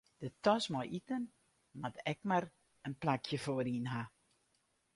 De tas mei iten moat ek mar in plakje foaryn ha.